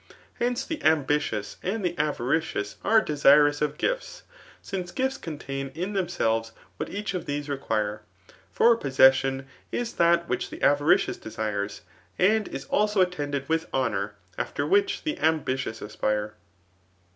* Hence, the ambitious and the avaricious ave desirotts of gifts ; since gifts contain in themselves what each, of these require. For possession is that which the avaricious desire, and it is aho attended with honour, after which the ambitious aspire.